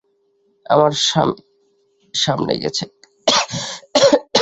আমার স্বামী সামনে গেছে।